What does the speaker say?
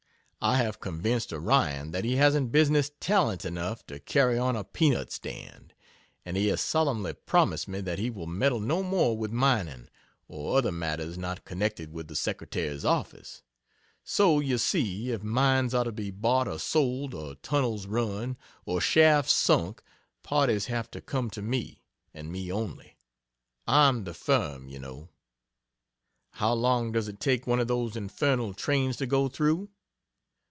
I have convinced Orion that he hasn't business talent enough to carry on a peanut stand, and he has solemnly promised me that he will meddle no more with mining, or other matters not connected with the Secretary's office. So, you see, if mines are to be bought or sold, or tunnels run, or shafts sunk, parties have to come to me and me only. I'm the "firm," you know. "How long does it take one of those infernal trains to go through?"